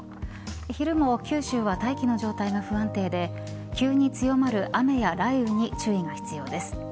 昼も九州は大気の状態が不安定で急に強まる雨や雷雨に注意が必要です。